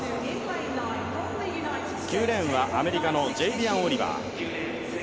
９レーンはアメリカのジェイビアン・オリバー。